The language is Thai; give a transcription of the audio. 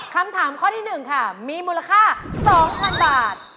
คำถามข้อที่๑ค่ะมีมูลค่า๒๐๐๐บาท